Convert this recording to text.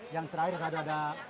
yang terakhir ada pendanaan